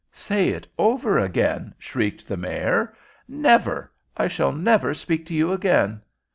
"Say it over again?" shrieked the Mayor. "Never. I shall never speak to you again."